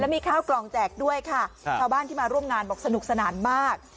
มีข้าวกล่องแจกด้วยค่ะชาวบ้านที่มาร่วมงานบอกสนุกสนานมาก